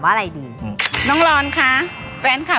พี่อ๋อมไม่ได้ครับ